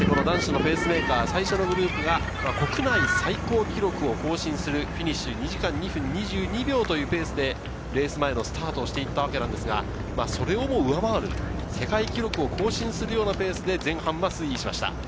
男子のペースメーカー、最初のグループが国内最高記録を更新する、フィニッシュに２時間２分２２秒というペースでレース前はスタートしていったんですが、それをも上回る世界記録を更新するようなペースで前半は推移しました。